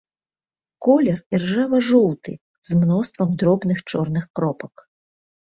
Колер іржава-жоўты, з мноствам дробных чорных кропак.